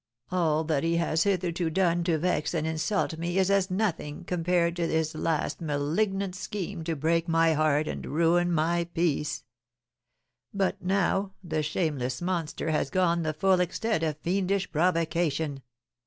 "All that he has hitherto done to vex and insult me is as nothing compared to his last malignant scheme to break my heart and ruin my peace. But now the shameless monster has gone the full extent of fiendish provocation.